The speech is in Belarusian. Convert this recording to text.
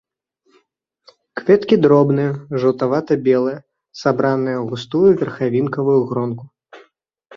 Кветкі дробныя, жаўтавата-белыя, сабраныя ў густую верхавінкавую гронку.